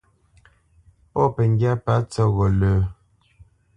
Pɔ̂ pəŋgyá pə̂ tsəghó lə́.